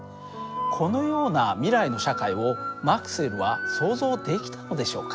このような未来の社会をマクスウェルは想像できたのでしょうか。